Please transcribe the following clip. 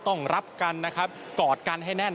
ต้องรับกันนะครับกอดกันให้แน่น